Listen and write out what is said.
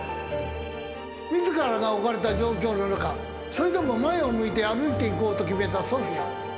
自らが置かれた状況の中それでも前を向いて歩いていこうと決めたソフィア。